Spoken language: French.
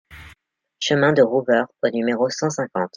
Chemin de Rouveure au numéro cent cinquante